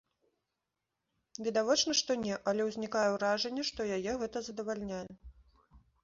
Відавочна, што не, але ўзнікае ўражанне, што яе гэта задавальняе.